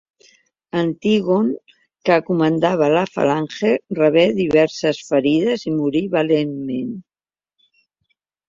Antígon, que comandava la falange, rebé diverses ferides i morí valentament.